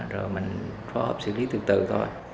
rồi mình phối hợp xử lý từ từ thôi